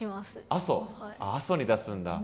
阿蘇に出すんだ。